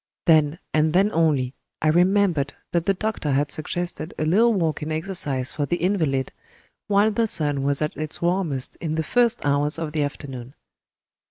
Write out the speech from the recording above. Then, and then only, I remembered that the doctor had suggested a little walking exercise for the invalid, while the sun was at its warmest in the first hours of the afternoon.